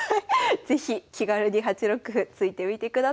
是非気軽に８六歩突いてみてください。